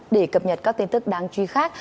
để cập nhật các tin tức đáng chú ý khác